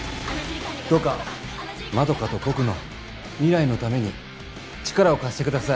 どうかまどかと僕の未来のために力を貸してください。